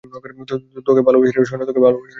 তোকে ভালোবাসি রে, সোনা।